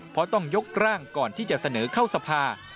เพราะต้องยกร่างก่อนที่จะเสนอเข้าสภา